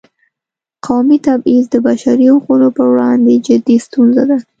قومي تبعیض د بشري حقونو پر وړاندې جدي ستونزه ده.